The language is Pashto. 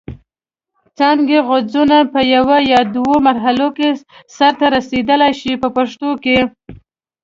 څانګې غوڅونه په یوه یا دوه مرحلو کې سرته رسیدلای شي په پښتو کې.